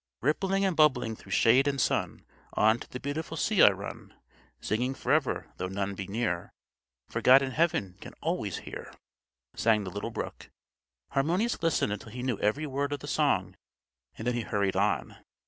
"_Rippling and bubbling through shade and sun, On to the beautiful sea I run; Singing forever, though none be near, For God in Heaven can always hear,"_ sang the little brook. Harmonius listened until he knew every word of the song, and then he hurried on.